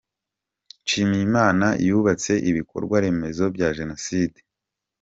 Nshimiyimana yubatse ibikorwa remezo bya Jenoside